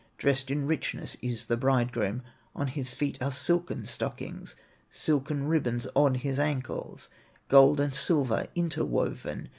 Dressed in richness is the bridegroom, On his feet are silken stockings, Silken ribbons on his ankles, Gold and silver interwoven.